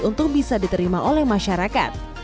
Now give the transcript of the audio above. untuk bisa diterima oleh masyarakat